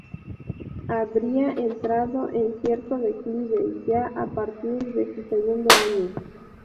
Habría entrado en cierto declive ya a partir de su segundo año.